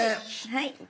はい。